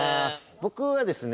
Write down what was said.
僕はですね